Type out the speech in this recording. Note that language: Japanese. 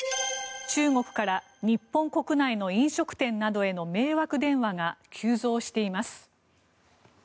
中国から日本国内の飲食店などへの迷惑電話が急増しています。